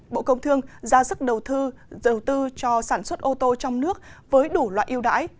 bộ công thương ra sức đầu tư cho sản xuất ô tô trong nước với đủ loại yêu đãi